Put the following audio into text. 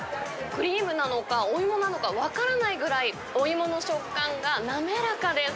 クリームなのか、お芋なのか分からないぐらいお芋の食感が滑らかです。